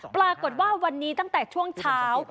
ปรากฏว่าวันนี้ตั้งแต่ช่วงเช้า